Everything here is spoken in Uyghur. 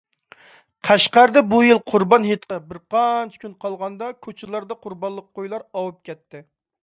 قەشقەردە بۇ يىل قۇربان ھېيتقا بىرقانچە كۈن قالغاندا كوچىلاردا قۇربانلىق قويلار ئاۋۇپ كەتتى.